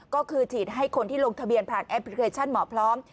ก็คือฉีดให้คนที่ลงทะเบียนผ่านแอปพลิเคชันหมอพร้อม